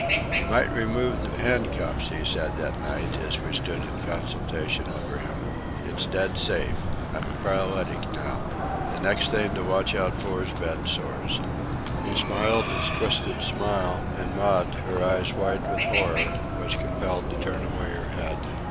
"You might remove the handcuffs," he said that night, as we stood in consultation over him. "It's dead safe. I'm a paralytic now. The next thing to watch out for is bed sores." He smiled his twisted smile, and Maud, her eyes wide with horror, was compelled to turn away her head.